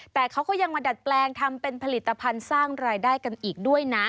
แต่เขาก็ยังมาดัดแปลงทำเป็นผลิตภัณฑ์สร้างรายได้กันอีกด้วยนะ